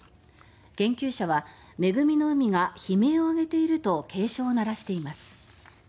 研究者は恵みの海が悲鳴を上げていると警鐘を鳴らしています。